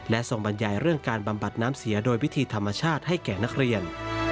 ทรงบรรยายเรื่องการบำบัดน้ำเสียโดยวิธีธรรมชาติให้แก่นักเรียน